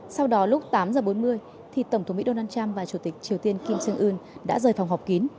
sau đó lúc tám h bốn mươi tổng thống mỹ donald trump và chủ tịch triều tiên kim jong un đã rời phòng họp kín